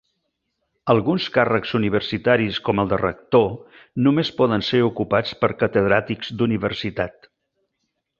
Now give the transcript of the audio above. Alguns càrrecs universitaris, com el de Rector, només poden ser ocupats per Catedràtics d'Universitat.